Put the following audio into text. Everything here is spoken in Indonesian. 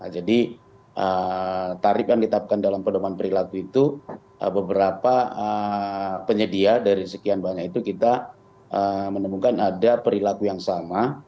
jadi tarif yang ditetapkan dalam pedoman perilaku itu beberapa penyedia dari sekian banyak itu kita menemukan ada perilaku yang sama